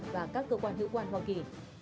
và các cơ quan hữu quan hoa kỳ